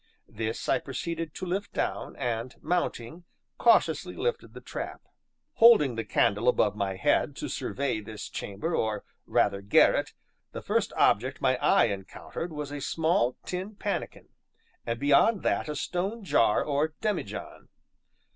This I proceeded to lift down, and mounting, cautiously lifted the trap. Holding the candle above my head to survey this chamber, or rather garret, the first object my eye encountered was a small tin pannikin, and beyond that a stone jar, or demijohn.